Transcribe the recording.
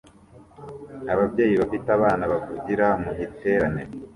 Ababyeyi bafite abana bavugira mu giterane